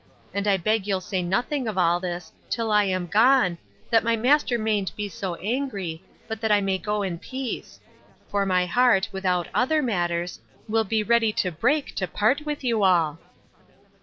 And I beg you'll say nothing of all this till I am gone, that my master mayn't be so angry, but that I may go in peace; for my heart, without other matters, will be ready to break to part with you all.